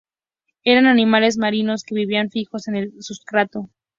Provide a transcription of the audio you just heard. Eran animales marinos que vivían fijos en el sustrato.